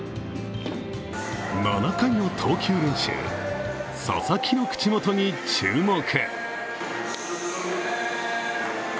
７回の投球練習、佐々木の口元に注目。